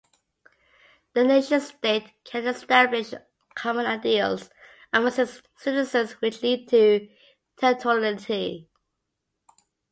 A nation-state can establish common ideals amongst its citizens which lead to territoriality.